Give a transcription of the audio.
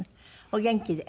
お元気で？